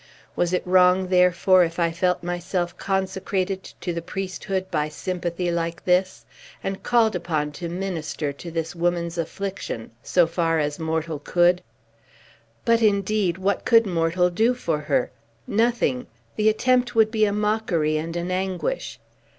Was it wrong, therefore, if I felt myself consecrated to the priesthood by sympathy like this, and called upon to minister to this woman's affliction, so far as mortal could? But, indeed, what could mortal do for her? Nothing! The attempt would be a mockery and an anguish.